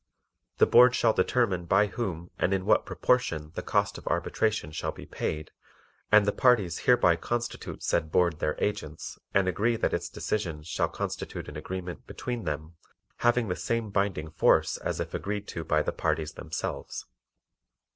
The Board shall determine by whom and in what proportion the cost of arbitration shall be paid, and the parties hereby constitute said Board their agents and agree that its decision shall constitute an agreement between them, having the same binding force as if agreed to by the parties themselves.